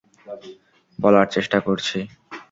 বলার চেষ্টা করছি।